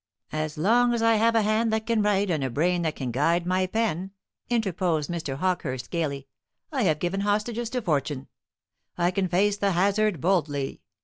"As long as I have a hand that can write, and a brain that can guide my pen," interposed Mr. Hawkehurst, gaily. "I have given hostages to Fortune. I can face the hazard boldly.